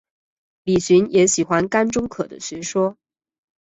李寻也喜欢甘忠可的学说。